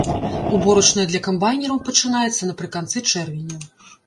Уборачная для камбайнераў пачынаецца напрыканцы чэрвеня.